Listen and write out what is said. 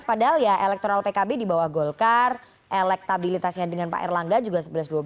padahal ya elektoral pkb di bawah golkar elektabilitasnya dengan pak erlangga juga sebelas dua belas